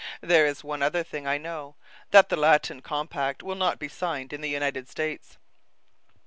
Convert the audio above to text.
"There is one other thing I know that the Latin compact will not be signed in the United States."